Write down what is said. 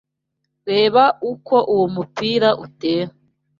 Reba uko uwo mupira utera